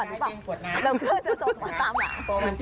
แล้วเพื่อนจะส่งมาตามหลัง